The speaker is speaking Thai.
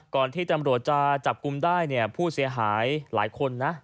ที่ตำรวจจะจับกลุ่มได้เนี่ยผู้เสียหายหลายคนนะ